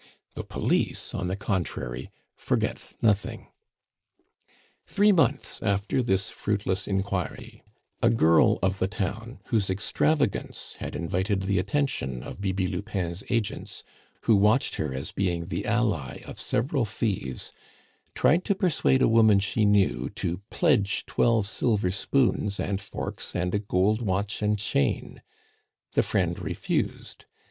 The police, on the contrary, forgets nothing. Three months after this fruitless inquiry, a girl of the town, whose extravagance had invited the attention of Bibi Lupin's agents, who watched her as being the ally of several thieves, tried to persuade a woman she knew to pledge twelve silver spoons and forks and a gold watch and chain. The friend refused.